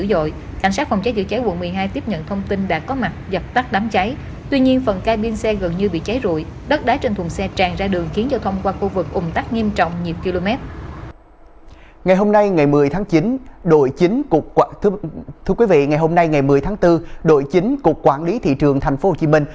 đội chính cục quản lý thị trường thành phố hồ chí minh